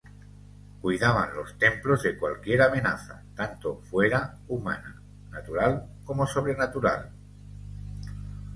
Cuidaban los templos de cualquier amenaza; tanto fuera: humana, natural como sobrenatural.